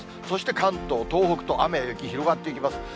そして関東、東北と雨や雪広がっていきます。